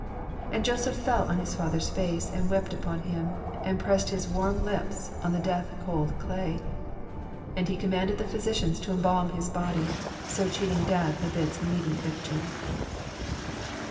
And Joseph fell upon his father's face, and wept upon him, and pressed his warm lips on the death cold clay ; and he commanded the physicians to embalm his body, so cheating death of its immediate victory.